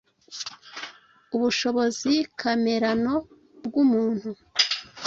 Ubushobozi kamerano bw’umuntu